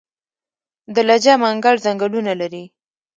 د لجه منګل ځنګلونه لري